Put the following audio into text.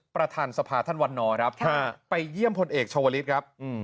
ประธานสภาท่านวันนอร์ครับไปเยี่ยมพลเอกชาวลิศครับ